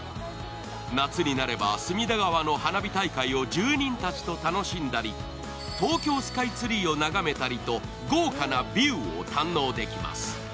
夏になれば隅田川の花火大会を住人たちと楽しんだり、東京スカイツリーを眺めたりと豪華なビューを堪能できます。